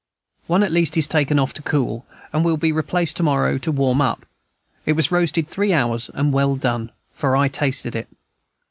One at least is taken off to cool, and will be replaced tomorrow to warm up. It was roasted three hours, and well done, for I tasted it.